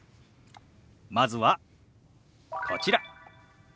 まずはこちら。